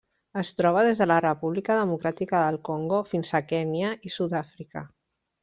Es troba des de la República Democràtica del Congo fins a Kenya i Sud-àfrica.